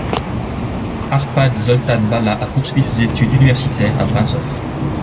Árpád Zoltán Balla a poursuivi ses études universitaires à Brașov.